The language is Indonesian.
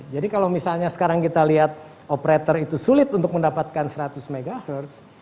jadi kalau misalnya sekarang kita lihat operator itu sulit untuk mendapatkan seratus mhz